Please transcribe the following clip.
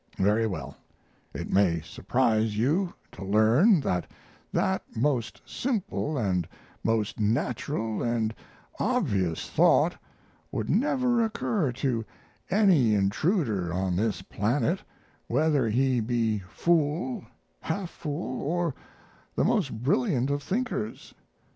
Very well it may surprise you to learn that that most simple & most natural & obvious thought would never occur to any intruder on this planet, whether he be fool, half fool, or the most brilliant of thinkers.